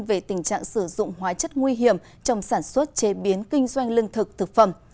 về tình trạng sử dụng hóa chất nguy hiểm trong sản xuất chế biến kinh doanh lương thực thực phẩm